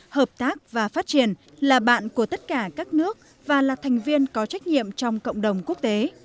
hợp tác và phát triển là bạn của tất cả các nước và là thành viên có trách nhiệm trong cộng đồng quốc tế